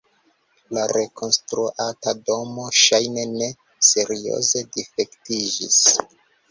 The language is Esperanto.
La rekonstruata domo ŝajne ne serioze difektiĝis.